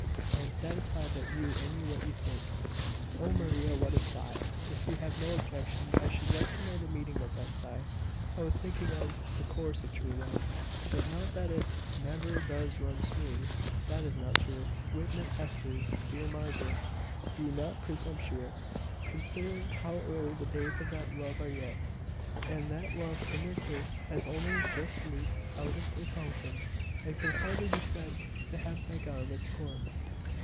"I am satisfied that you any what you think." "Oh, Maria! what a sigh! If you have no objection, I should like to know the meaning of that sigh." "I was thinking of `the course of true love.'" "But not that it `never does run smooth.' That is not true. Witness Hester's." "Dear Margaret, be not presumptuous! Consider how early the days of that love are yet." "And that love in their case has only just leaped out of the fountain, and can hardly be said to have begun its course.